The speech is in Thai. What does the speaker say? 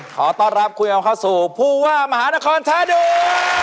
ขอต้อนรับคุยกันเข้าสู่ผู้ว่ามหานครท่าเดียว